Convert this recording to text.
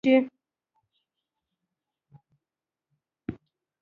ایا پنبه د کار موضوع ګڼل کیدای شي؟